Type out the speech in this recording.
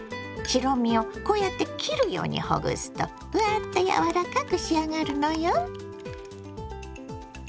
白身をこうやって切るようにほぐすとふわっとやわらかく仕上がるのよ。